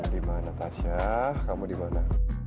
dimana pas ya kamu dimana